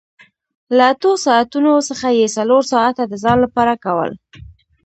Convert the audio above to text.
له اتو ساعتونو څخه یې څلور ساعته د ځان لپاره کول